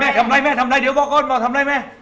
ทำอะไรแม่ทำอะไรเดี๋ยวบอกก่อนบ่อทำอะไรแม่